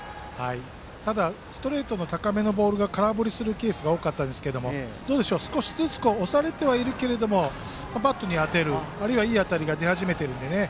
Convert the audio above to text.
ただ、ストレートの高めのボールに空振りするケースが多かったですけど少しずつ押されてはいるけどもバットには当てるあるいは、いい当たりが出始めているので。